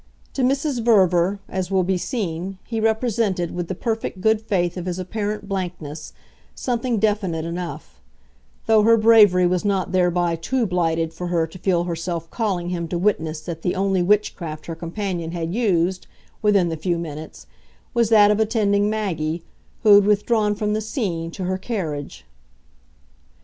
To Mrs. Verver, as will be seen, he represented, with the perfect good faith of his apparent blankness, something definite enough; though her bravery was not thereby too blighted for her to feel herself calling him to witness that the only witchcraft her companion had used, within the few minutes, was that of attending Maggie, who had withdrawn from the scene, to her carriage.